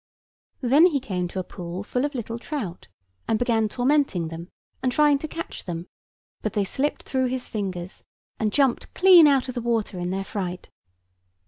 Then he came to a pool full of little trout, and began tormenting them, and trying to catch them: but they slipped through his fingers, and jumped clean out of water in their fright.